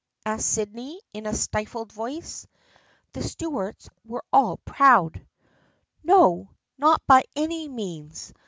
asked Sydney in a stifled voice. The Stuarts were all proud. " No, not by any means.